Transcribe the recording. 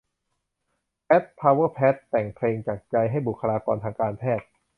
แพท พาวเวอร์แพท แต่งเพลงจากใจให้บุคลากรทางการแพทย์